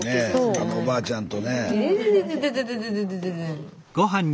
あのおばあちゃんとねえ。